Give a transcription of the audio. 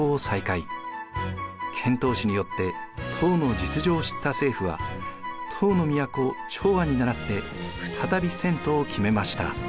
遣唐使によって唐の実情を知った政府は唐の都長安にならって再び遷都を決めました。